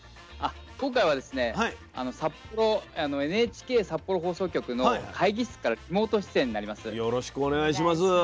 今回はですねＮＨＫ札幌放送局の会議室からリモート出演になります。